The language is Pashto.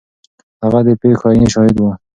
هغه د پیښو عیني شاهد و.